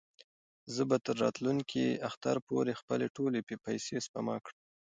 زه به تر راتلونکي اختر پورې خپلې ټولې پېسې سپما کړم.